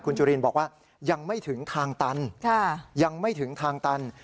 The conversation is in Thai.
คุณจุรินบอกว่ายังไม่ถึงทางตัน